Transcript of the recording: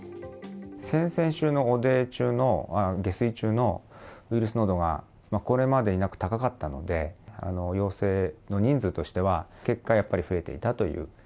先々週の下水中のウイルス濃度がこれまでになく高かったので陽性の人数としては結果、増えていたという。